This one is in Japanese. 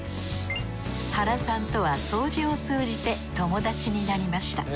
原さんとは掃除を通じて友達になりました。